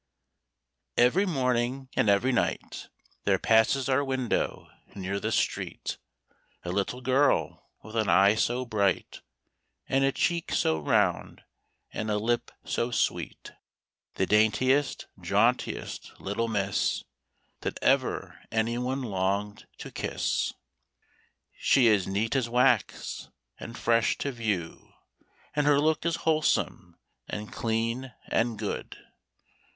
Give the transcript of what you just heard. Every morning and every night There passes our window near the street, A little girl with an eye so bright, And a cheek so round and a lip so sweet; The daintiest, jauntiest little miss That ever any one longed to kiss. She is neat as wax, and fresh to view, And her look is wholesome and clean, and good.